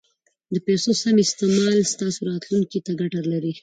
د پیسو سم استعمال ستاسو راتلونکي ته ګټه لري.